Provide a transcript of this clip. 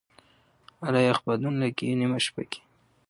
اله یخ بادونه لګې نېمه شپه کي